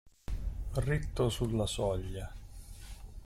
Ritto sulla soglia.